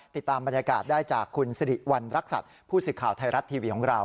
ติดตามบรรยากาศได้จากคุณสิริวัณรักษัตริย์ผู้สื่อข่าวไทยรัฐทีวีของเรา